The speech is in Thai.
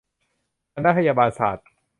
คณะพยาบาลศาสตร์